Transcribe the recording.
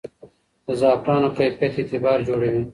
د زعفرانو کیفیت اعتبار جوړوي.